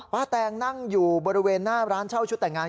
แตงนั่งอยู่บริเวณหน้าร้านเช่าชุดแต่งงาน